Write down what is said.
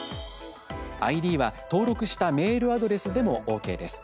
ＩＤは、登録したメールアドレスでもＯＫです。